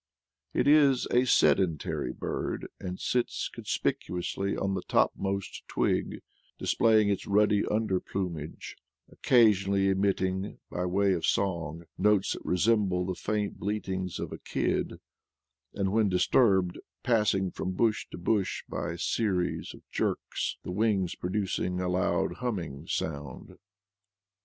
It is a sedentary bird and sits conspicuously on the topmost twig, display ing its ruddy under plumage; occasionally emit ting, by way of song, notes that resemble the faint bleatings of a kid, and, when disturbed, passing from bush to bush by a series of jerks, the wings producing a loud humming sound.